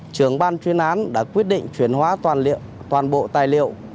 trưởng ban chuyên án đã quyết định chuyển hóa toàn liệu